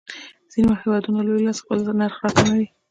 ځینې وخت هېوادونه لوی لاس خپل نرخ راکموي.